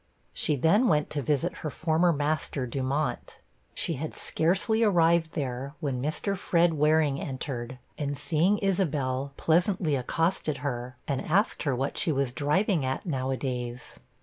She then went to visit her former master, Dumont. She had scarcely arrived there, when Mr. Fred. Waring entered, and seeing Isabel, pleasantly accosted her, and asked her 'what she was driving at now a days.'